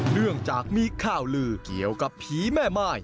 เนื่องจากมีข่าวลือเกี่ยวกับผีแม่ม่าย